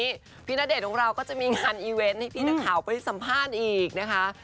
วันนี้พี่ณเดชน์ของเราก็จะมีงานอีเวนต์ให้พี่นักข่าวไปสัมภาษณ์อีกนะคะ